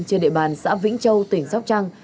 trên địa bàn xã vĩnh châu tỉnh sóc trăng